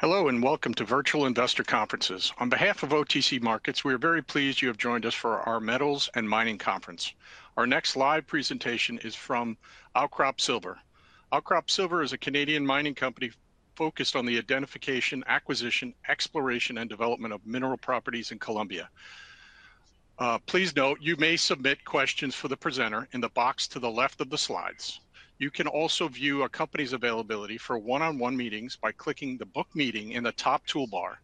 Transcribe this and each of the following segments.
Hello and welcome to Virtual Investor Conferences. On behalf of OTC Markets, we are very pleased you have joined us for our Metals & Mining Conference. Our next live presentation is from Outcrop Silver. Outcrop Silver is a Canadian mining company focused on the identification, acquisition, exploration, and development of mineral properties in Colombia. Please note you may submit questions for the presenter in the box to the left of the slides. You can also view a company's availability for one-on-one meetings by clicking the "Book Meeting" in the top toolbar.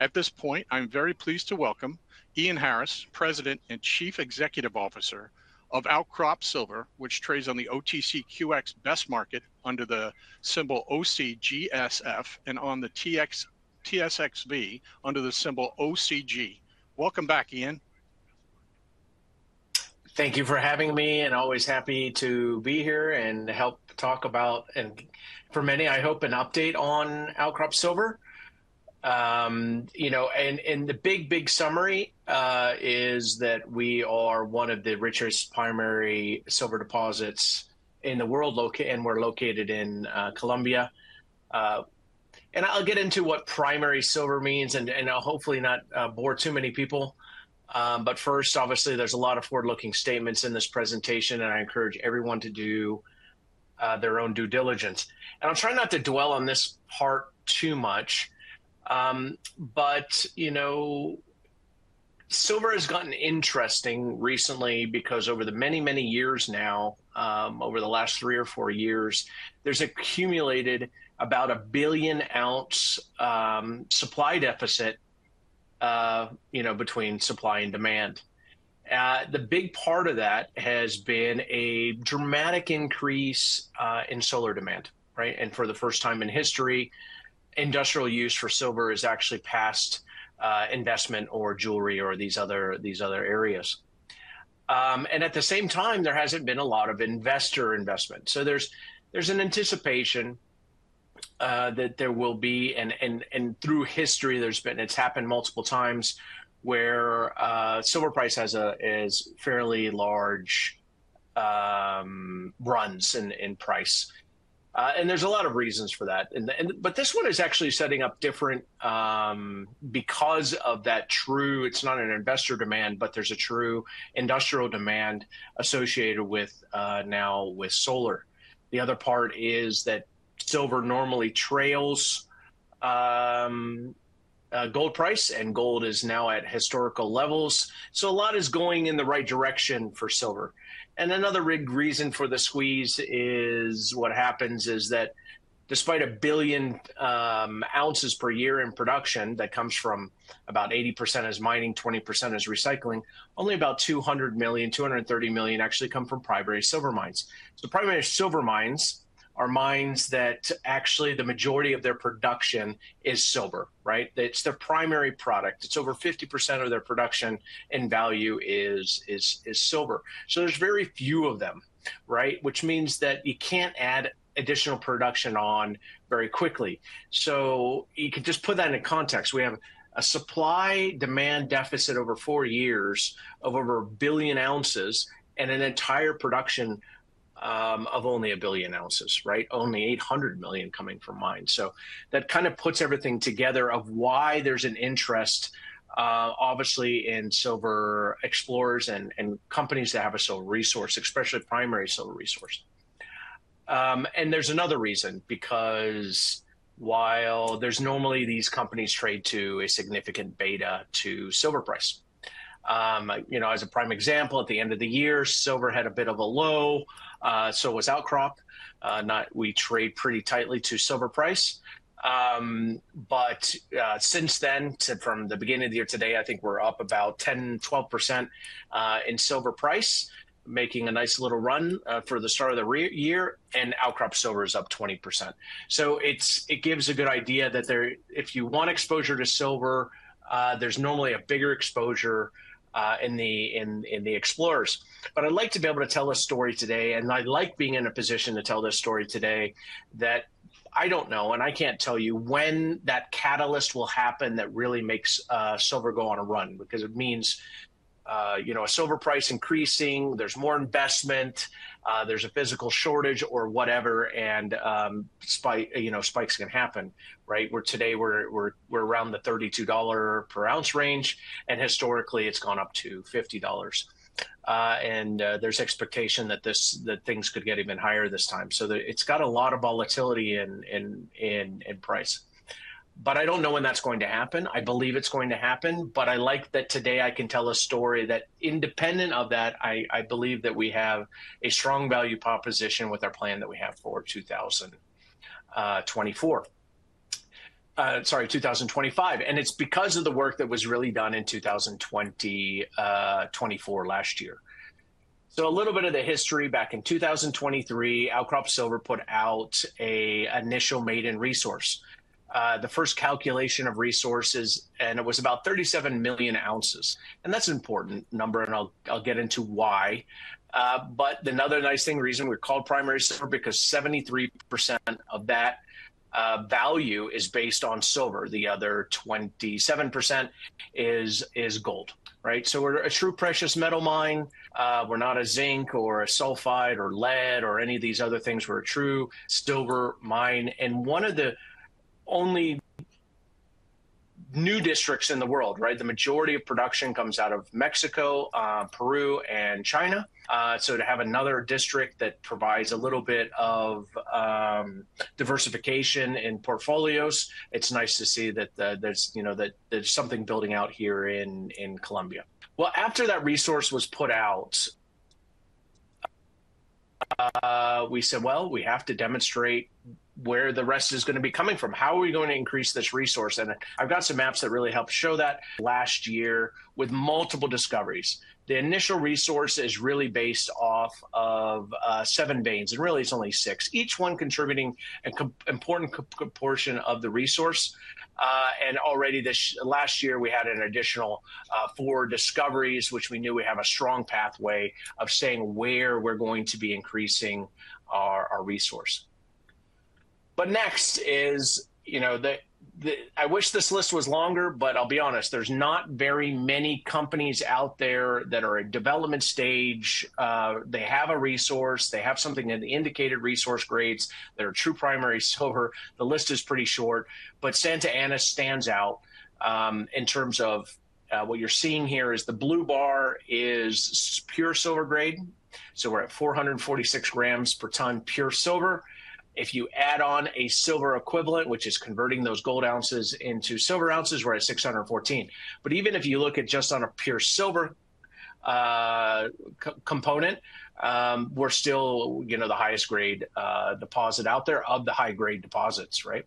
At this point, I'm very pleased to welcome Ian Harris, President and Chief Executive Officer of Outcrop Silver, which trades on the OTCQX Best Market under the symbol OCGSF and on the TSXV under the symbol OCG. Welcome back, Ian. Thank you for having me, and always happy to be here and help talk about, and for many, I hope, an update on Outcrop Silver. You know, the big, big summary is that we are one of the richest primary silver deposits in the world, and we're located in Colombia. I'll get into what primary silver means, and I'll hopefully not bore too many people. First, obviously, there's a lot of forward-looking statements in this presentation, and I encourage everyone to do their own due diligence. I'll try not to dwell on this part too much. You know, silver has gotten interesting recently because over the many, many years now, over the last three or four years, there's accumulated about a billion ounce supply deficit, you know, between supply and demand. The big part of that has been a dramatic increase in solar demand, right? For the first time in history, industrial use for silver has actually passed investment or jewelry or these other areas. At the same time, there has not been a lot of investor investment. There is an anticipation that there will be, and through history, it has happened multiple times where silver price has fairly large runs in price. There are a lot of reasons for that. This one is actually setting up different because of that true, it is not an investor demand, but there is a true industrial demand associated now with solar. The other part is that silver normally trails gold price, and gold is now at historical levels. A lot is going in the right direction for silver. Another big reason for the squeeze is what happens is that despite a billion ounces per year in production that comes from about 80% as mining, 20% as recycling, only about 200 million, 230 million actually come from primary silver mines. Primary silver mines are mines that actually the majority of their production is silver, right? It is their primary product. It is over 50% of their production and value is silver. There are very few of them, right? Which means that you cannot add additional production on very quickly. To put that into context, we have a supply-demand deficit over four years of over a billion ounces and an entire production of only a billion ounces, right? Only 800 million coming from mines. That kind of puts everything together of why there's an interest, obviously, in silver explorers and companies that have a silver resource, especially primary silver resource. There's another reason, because while normally these companies trade to a significant beta to silver price. You know, as a prime example, at the end of the year, silver had a bit of a low, so was Outcrop. We trade pretty tightly to silver price. Since then, from the beginning of the year to today, I think we're up about 10%-12% in silver price, making a nice little run for the start of the year, and Outcrop Silver is up 20%. It gives a good idea that if you want exposure to silver, there's normally a bigger exposure in the explorers. I'd like to be able to tell a story today, and I like being in a position to tell this story today that I don't know, and I can't tell you when that catalyst will happen that really makes silver go on a run, because it means, you know, a silver price increasing, there's more investment, there's a physical shortage or whatever, and spikes can happen, right? Where today we're around the 32 dollar per ounce range, and historically it's gone up to 50 dollars. There's expectation that things could get even higher this time. It's got a lot of volatility in price. I don't know when that's going to happen. I believe it's going to happen, but I like that today I can tell a story that independent of that, I believe that we have a strong value proposition with our plan that we have for 2024. Sorry, 2025. It's because of the work that was really done in 2024 last year. A little bit of the history back in 2023, Outcrop Silver put out an initial maiden resource. The first calculation of resources, and it was about 37 million ounces. That's an important number, and I'll get into why. Another nice thing, reason we're called primary silver, is because 73% of that value is based on silver. The other 27% is gold, right? We're a true precious metal mine. We're not a zinc or a sulfide or lead or any of these other things. We're a true silver mine. One of the only new districts in the world, right? The majority of production comes out of Mexico, Peru, and China. To have another district that provides a little bit of diversification in portfolios, it's nice to see that there's something building out here in Colombia. After that resource was put out, we said, we have to demonstrate where the rest is going to be coming from. How are we going to increase this resource? I've got some maps that really help show that. Last year with multiple discoveries. The initial resource is really based off of seven veins, and really it's only six, each one contributing an important portion of the resource. Already this last year we had an additional four discoveries, which we knew we have a strong pathway of saying where we're going to be increasing our resource. Next is, you know, I wish this list was longer, but I'll be honest, there's not very many companies out there that are in development stage. They have a resource, they have something in the indicated resource grades, they're true primary silver. The list is pretty short, but Santa Ana stands out in terms of what you're seeing here is the blue bar is pure silver grade. We're at 446 g per ton pure silver. If you add on a silver equivalent, which is converting those gold ounces into silver ounces, we're at 614. Even if you look at just on a pure silver component, we're still, you know, the highest grade deposit out there of the high grade deposits, right?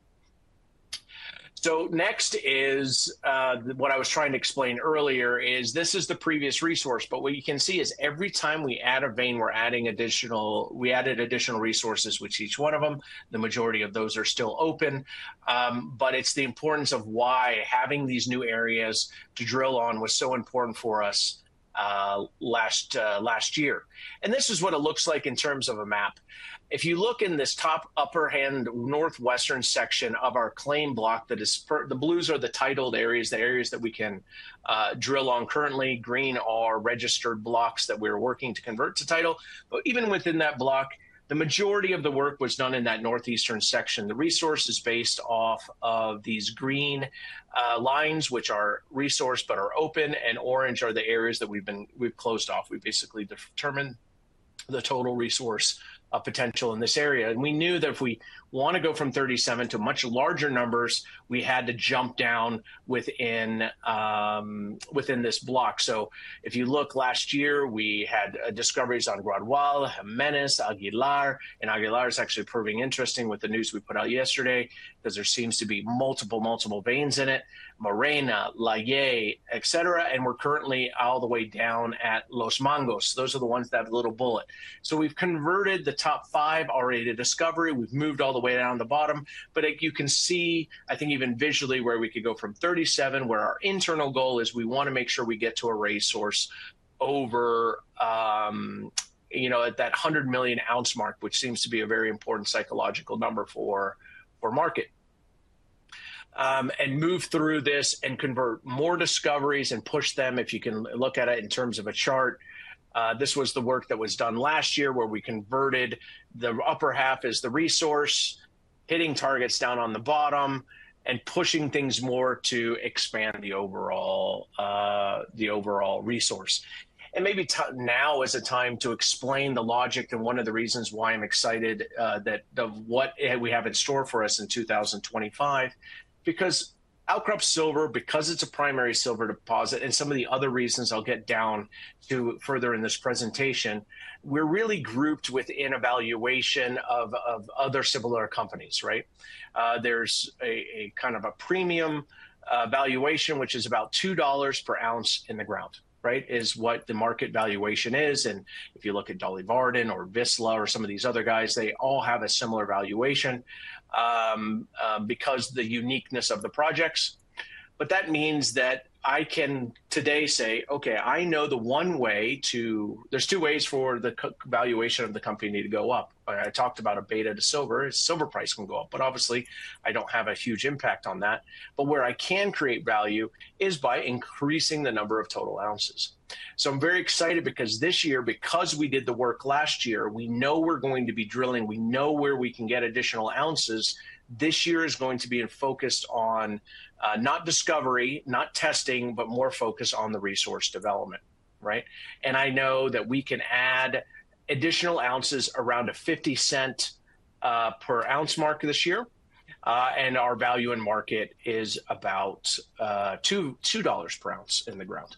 Next is what I was trying to explain earlier. This is the previous resource, but what you can see is every time we add a vein, we are adding additional, we added additional resources with each one of them. The majority of those are still open. It is the importance of why having these new areas to drill on was so important for us last year. This is what it looks like in terms of a map. If you look in this top upper hand northwestern section of our claim block, the blues are the titled areas, the areas that we can drill on currently. Green are registered blocks that we are working to convert to title. Even within that block, the majority of the work was done in that northeastern section. The resource is based off of these green lines, which are resource, but are open, and orange are the areas that we've closed off. We basically determined the total resource potential in this area. We knew that if we want to go from 37 to much larger numbers, we had to jump down within this block. If you look last year, we had discoveries on Guadua, Jimenez, Aguilar, and Aguilar is actually proving interesting with the news we put out yesterday, because there seems to be multiple, multiple veins in it, Morena, La Ye, et cetera. We are currently all the way down at Los Mangos. Those are the ones that have a little bullet. We have converted the top five already to discovery. We have moved all the way down the bottom. You can see, I think even visually where we could go from 37, where our internal goal is we want to make sure we get to a resource over, you know, at that 100 million ounce mark, which seems to be a very important psychological number for market. Move through this and convert more discoveries and push them. If you can look at it in terms of a chart, this was the work that was done last year where we converted the upper half as the resource, hitting targets down on the bottom and pushing things more to expand the overall resource. Maybe now is a time to explain the logic and one of the reasons why I'm excited that what we have in store for us in 2025, because Outcrop Silver, because it's a primary silver deposit and some of the other reasons I'll get down to further in this presentation, we're really grouped within a valuation of other similar companies, right? There's a kind of a premium valuation, which is about 2 dollars per ounce in the ground, right? Is what the market valuation is. If you look at Dolly Varden or Vizsla or some of these other guys, they all have a similar valuation because of the uniqueness of the projects. That means that I can today say, okay, I know the one way to, there's two ways for the valuation of the company to go up. I talked about a beta to silver, silver price can go up, obviously I do not have a huge impact on that. Where I can create value is by increasing the number of total ounces. I am very excited because this year, because we did the work last year, we know we are going to be drilling, we know where we can get additional ounces. This year is going to be focused on not discovery, not testing, but more focused on the resource development, right? I know that we can add additional ounces around a 0.50 per ounce mark this year. Our value in market is about 2 dollars per ounce in the ground.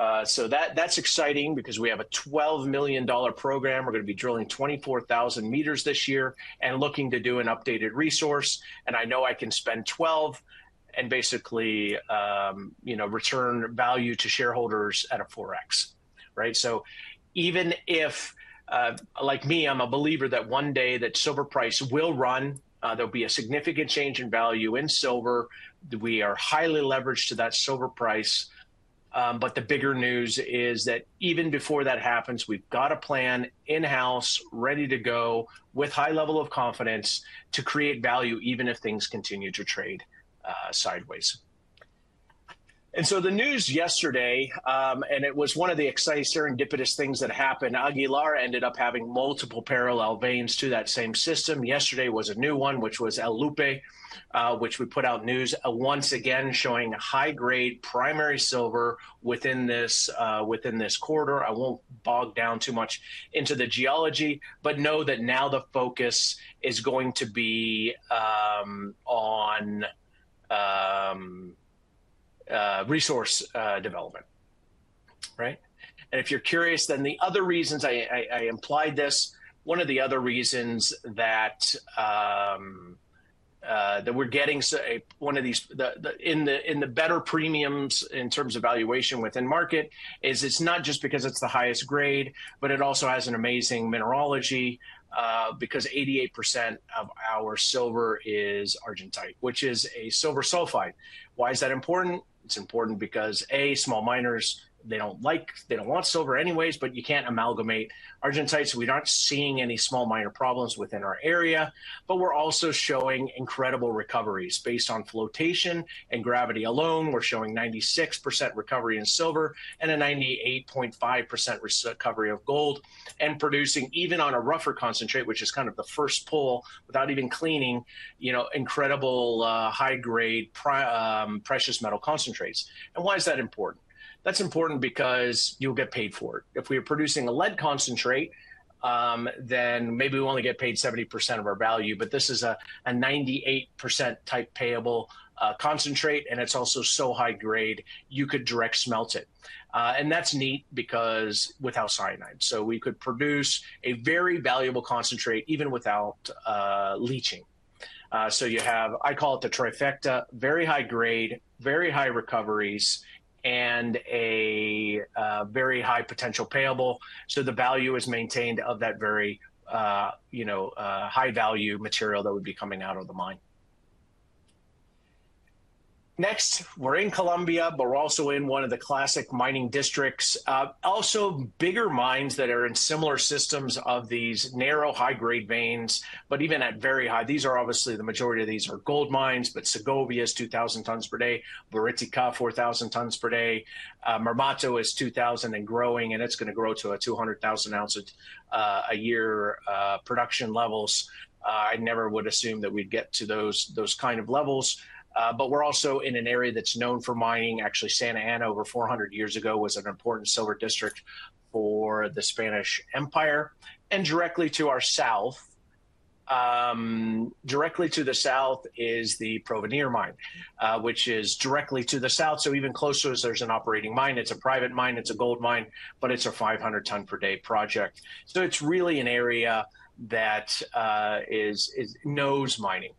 That is exciting because we have a 12 million dollar program. We are going to be drilling 24,000 meters this year and looking to do an updated resource. I know I can spend 12 and basically, you know, return value to shareholders at a 4x, right? Even if, like me, I'm a believer that one day that silver price will run, there will be a significant change in value in silver. We are highly leveraged to that silver price. The bigger news is that even before that happens, we've got a plan in-house ready to go with high level of confidence to create value even if things continue to trade sideways. The news yesterday, and it was one of the exciting serendipitous things that happened, Aguilar ended up having multiple parallel veins to that same system. Yesterday was a new one, which was La Lupe, which we put out news once again showing high grade primary silver within this quarter. I won't bog down too much into the geology, but know that now the focus is going to be on resource development, right? If you're curious, then the other reasons I implied this, one of the other reasons that we're getting one of these in the better premiums in terms of valuation within market is it's not just because it's the highest grade, but it also has an amazing mineralogy because 88% of our silver is Argentite, which is a silver sulfide. Why is that important? It's important because, A, small miners, they don't like, they don't want silver anyways, but you can't amalgamate Argentite. We aren't seeing any small miner problems within our area, but we're also showing incredible recoveries based on flotation and gravity alone. We're showing 96% recovery in silver and a 98.5% recovery of gold and producing even on a rougher concentrate, which is kind of the first pull without even cleaning, you know, incredible high grade precious metal concentrates. Why is that important? That's important because you'll get paid for it. If we are producing a lead concentrate, then maybe we only get paid 70% of our value, but this is a 98% type payable concentrate and it's also so high grade, you could direct smelt it. That's neat because without cyanide. We could produce a very valuable concentrate even without leaching. You have, I call it the trifecta, very high grade, very high recoveries and a very high potential payable. The value is maintained of that very, you know, high value material that would be coming out of the mine. Next, we're in Colombia, but we're also in one of the classic mining districts. Also, bigger mines that are in similar systems of these narrow high-grade veins, but even at very high, these are obviously the majority of these are gold mines. Segovia is 2,000 tons per day. Buriticá 4,000 tons per day. Marmato is 2,000 and growing, and it's going to grow to a 200,000 ounce a year production levels. I never would assume that we'd get to those kind of levels. We're also in an area that's known for mining. Actually, Santa Ana over 400 years ago was an important silver district for the Spanish Empire. Directly to our south, directly to the south is the Porvenir mine, which is directly to the south. Even closer as there is an operating mine, it is a private mine, it is a gold mine, but it is a 500 ton per day project. It is really an area that knows mining.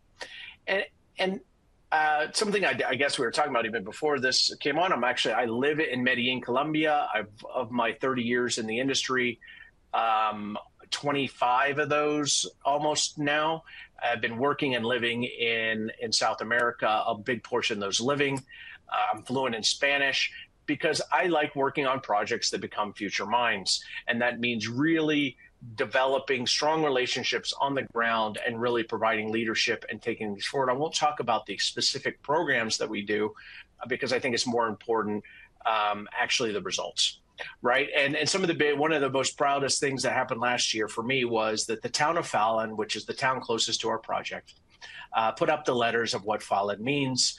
Something I guess we were talking about even before this came on, I actually live in Medellín, Colombia. Of my 30 years in the industry, 25 of those almost now have been working and living in South America. A big portion of those living. I am fluent in Spanish because I like working on projects that become future mines. That means really developing strong relationships on the ground and really providing leadership and taking these forward. I will not talk about the specific programs that we do because I think it is more important, actually the results, right? One of the most proudest things that happened last year for me was that the town of Falan, which is the town closest to our project, put up the letters of what Falan means.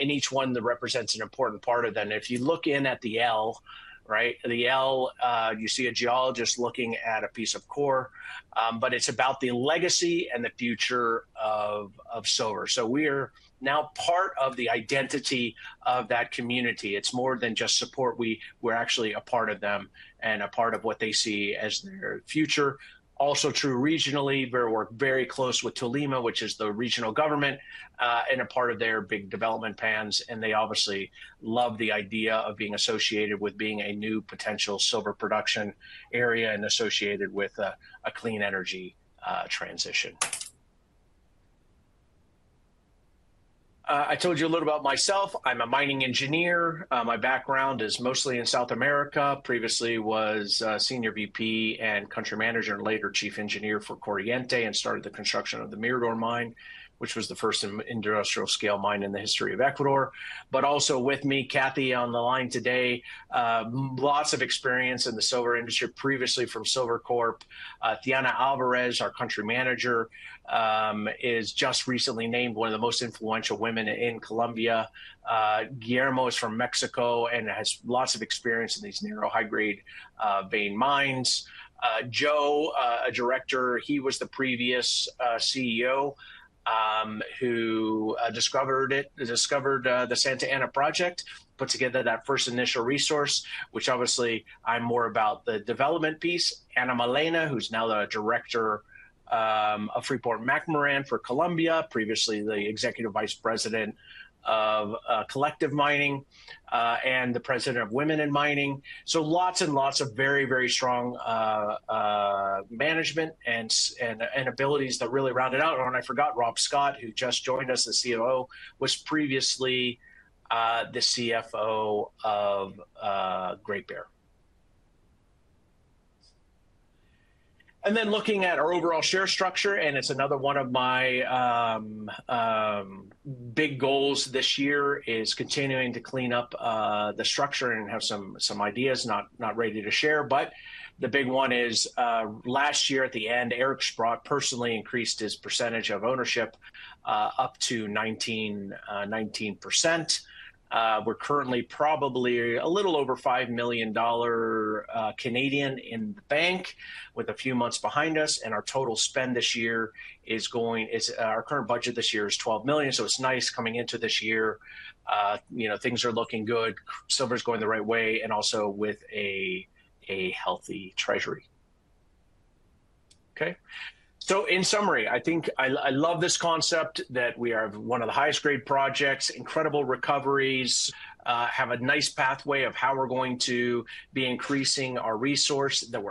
In each one, that represents an important part of that. If you look in at the L, right? The L, you see a geologist looking at a piece of core, but it's about the legacy and the future of silver. We are now part of the identity of that community. It's more than just support. We're actually a part of them and a part of what they see as their future. Also true regionally, we're very close with Tolima, which is the regional government and a part of their big development plans. They obviously love the idea of being associated with being a new potential silver production area and associated with a clean energy transition. I told you a little about myself. I'm a mining engineer. My background is mostly in South America. Previously was Senior VP and Country Manager and later Chief Engineer for Corriente and started the construction of the Mirador mine, which was the first industrial scale mine in the history of Ecuador. Also with me, Kathy on the line today, lots of experience in the silver industry previously from Silvercorp. Thyana Alvarez, our Country Manager, is just recently named one of the most influential women in Colombia. Guillermo is from Mexico and has lots of experience in these narrow high-grade vein mines. Joe, a director, he was the previous CEO who discovered it, discovered the Santa Ana project, put together that first initial resource, which obviously I'm more about the development piece. Ana Milena, who's now the director of Freeport-McMoRan for Colombia, previously the executive vice president of Collective Mining and the president of Women in Mining. Lots and lots of very, very strong management and abilities that really rounded out. I forgot Rob Scott, who just joined us as COO, was previously the CFO of Great Bear. Looking at our overall share structure, it's another one of my big goals this year is continuing to clean up the structure and have some ideas not ready to share. The big one is last year at the end, Eric Sprott personally increased his percentage of ownership up to 19%. We're currently probably a little over 5 million Canadian dollars in the bank with a few months behind us. Our total spend this year is going, our current budget this year is 12 million. It is nice coming into this year, you know, things are looking good, silver is going the right way and also with a healthy treasury. Okay. In summary, I think I love this concept that we have one of the highest grade projects, incredible recoveries, have a nice pathway of how we're going to be increasing our resource that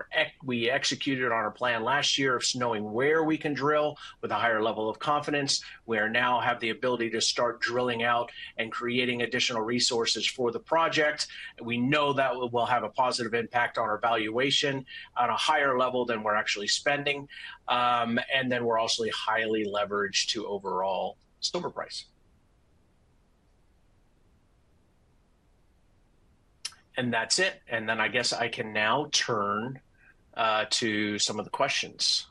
we executed on our plan last year of knowing where we can drill with a higher level of confidence. We now have the ability to start drilling out and creating additional resources for the project. We know that we'll have a positive impact on our valuation on a higher level than we're actually spending. We are also highly leveraged to overall silver price. That is it. I can now turn to some of the questions.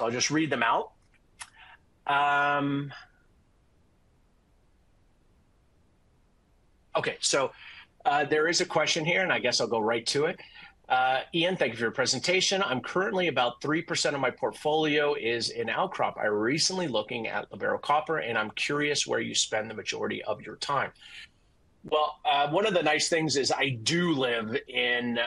I will just read them out. There is a question here and I will go right to it. Ian, thank you for your presentation. Currently about 3% of my portfolio is in Outcrop. I recently am looking at Libero Copper and I am curious where you spend the majority of your time? One of the nice things is I do live in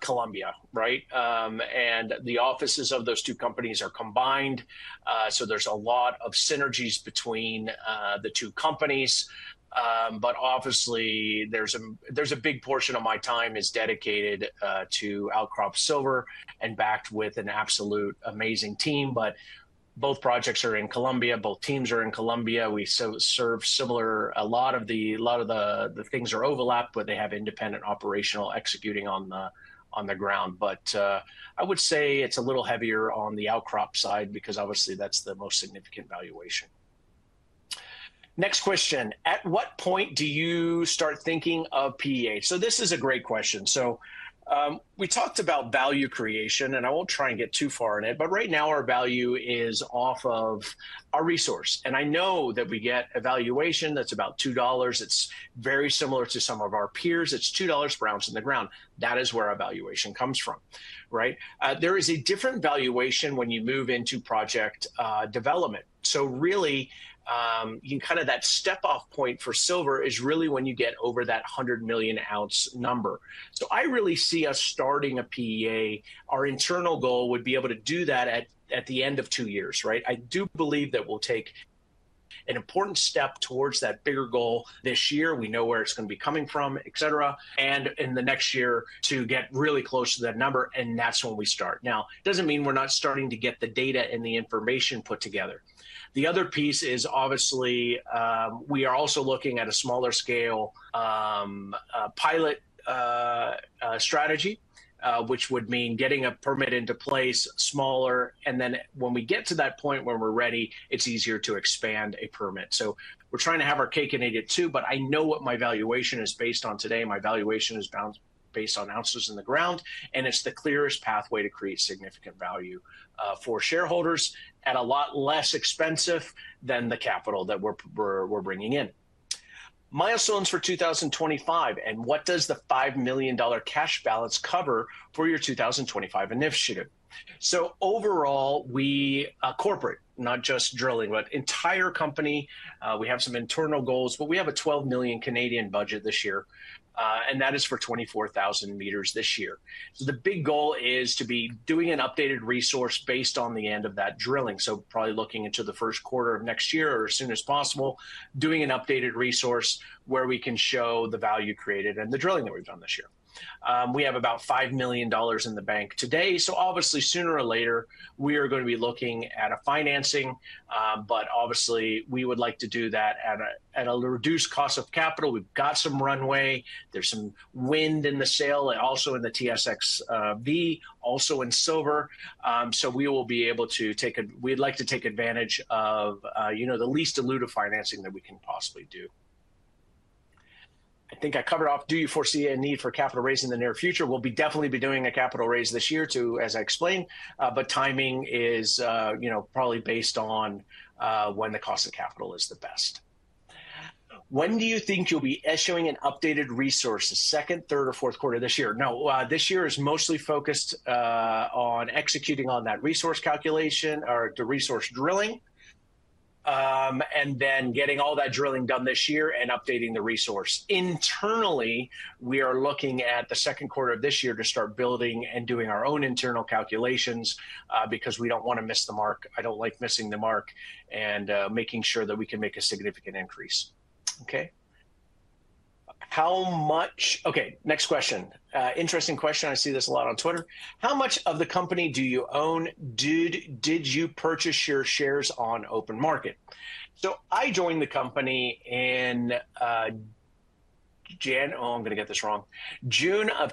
Colombia, right? The offices of those two companies are combined. There are a lot of synergies between the two companies. Obviously, a big portion of my time is dedicated to Outcrop Silver and backed with an absolutely amazing team. Both projects are in Colombia, both teams are in Colombia. We serve similar, a lot of the things are overlapped, but they have independent operational executing on the ground. I would say it's a little heavier on the Outcrop side because obviously that's the most significant valuation. Next question. At what point do you start thinking of PEA? This is a great question. We talked about value creation and I won't try and get too far in it, but right now our value is off of our resource. I know that we get a valuation that's about 2 dollars. It's very similar to some of our peers. It's 2 dollars per ounce in the ground. That is where our valuation comes from, right? There is a different valuation when you move into project development. You can kind of that step off point for silver is really when you get over that 100 million ounce number. I really see us starting a PEA. Our internal goal would be able to do that at the end of two years, right? I do believe that we'll take an important step towards that bigger goal this year. We know where it's going to be coming from, et cetera. In the next year to get really close to that number. That's when we start. It doesn't mean we're not starting to get the data and the information put together. The other piece is obviously we are also looking at a smaller scale pilot strategy, which would mean getting a permit into place smaller. When we get to that point where we're ready, it's easier to expand a permit. We're trying to have our cake and eat it too, but I know what my valuation is based on today. My valuation is based on ounces in the ground. It's the clearest pathway to create significant value for shareholders at a lot less expensive than the capital that we're bringing in. Milestones for 2025 and what does the 5 million dollar cash balance cover for your 2025 initiative? Overall, we corporate, not just drilling, but entire company. We have some internal goals, but we have a 12 million budget this year. That is for 24,000 meters this year. The big goal is to be doing an updated resource based on the end of that drilling. Probably looking into the first quarter of next year or as soon as possible, doing an updated resource where we can show the value created and the drilling that we've done this year. We have about 5 million dollars in the bank today. Obviously, sooner or later we are going to be looking at a financing, but obviously we would like to do that at a reduced cost of capital. We've got some runway. There's some wind in the sail, also in the TSXV, also in silver. We will be able to take a, we'd like to take advantage of, you know, the least diluted financing that we can possibly do. I think I covered off, do you foresee a need for capital raising in the near future? We'll definitely be doing a capital raise this year too, as I explained, but timing is, you know, probably based on when the cost of capital is the best. When do you think you'll be issuing an updated resource? The second, third, or fourth quarter this year? No, this year is mostly focused on executing on that resource calculation or the resource drilling and then getting all that drilling done this year and updating the resource. Internally, we are looking at the second quarter of this year to start building and doing our own internal calculations because we do not want to miss the mark. I do not like missing the mark and making sure that we can make a significant increase. Okay. How much, okay, next question. Interesting question. I see this a lot on Twitter. How much of the company do you own? Did you purchase your shares on open market? I joined the company in June of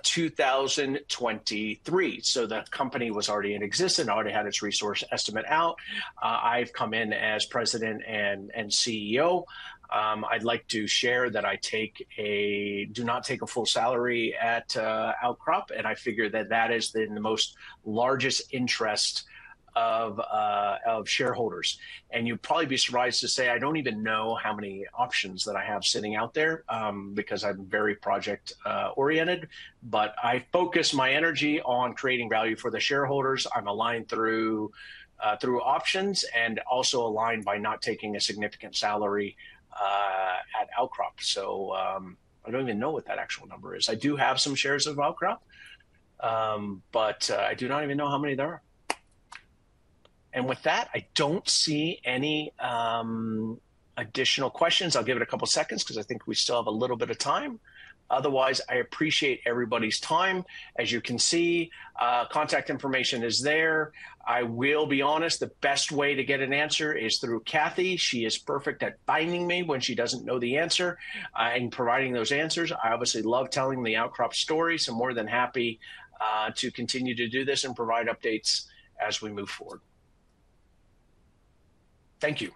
2023. The company was already in existence, already had its resource estimate out. I have come in as President and CEO. I'd like to share that I do not take a full salary at Outcrop. I figure that that is the most largest interest of shareholders. You'd probably be surprised to say I don't even know how many options that I have sitting out there because I'm very project oriented, but I focus my energy on creating value for the shareholders. I'm aligned through options and also aligned by not taking a significant salary at Outcrop. I don't even know what that actual number is. I do have some shares of Outcrop, but I do not even know how many there are. With that, I don't see any additional questions. I'll give it a couple of seconds because I think we still have a little bit of time. Otherwise, I appreciate everybody's time. As you can see, contact information is there. I will be honest, the best way to get an answer is through Kathy. She is perfect at finding me when she does not know the answer and providing those answers. I obviously love telling the Outcrop story. More than happy to continue to do this and provide updates as we move forward. Thank you.